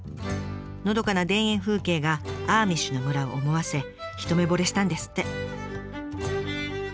のどかな田園風景がアーミッシュの村を思わせ一目ぼれしたんですって。